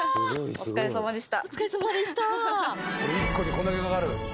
お疲れさまでした。